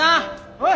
おい！